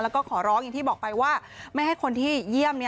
แล้วก็ขอร้องอย่างที่บอกไปว่าไม่ให้คนที่เยี่ยม